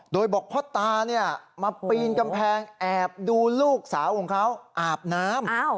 โดยบอกพ่อตามาปีนกำแพงแอบดูลูกสาวของเขาอาบน้ำ